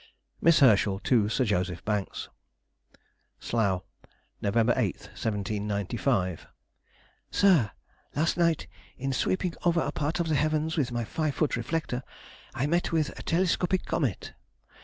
MISS HERSCHEL TO SIR JOSEPH BANKS. SLOUGH, Nov. 8, 1795. SIR,— Last night, in sweeping over a part of the heavens with my five foot reflector, I met with a telescopic comet.